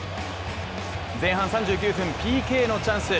前半３９分、ＰＫのチャンス。